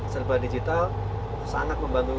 serba digital sangat membantu